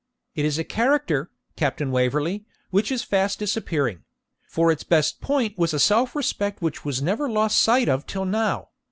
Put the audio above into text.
'It is a character, Captain Waverley, which is fast disappearing; for its best point was a self respect which was never lost sight of till now.